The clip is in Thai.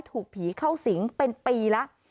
ถูกผีเข้าสิงเป็นปีแล้ว